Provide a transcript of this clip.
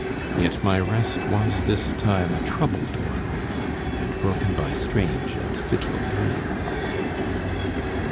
Yet my rest was this time a troubled one, and broken by strange and fitful dreams.